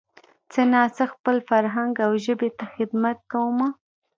څه نا څه خپل فرهنګ او ژبې ته خدمت کومه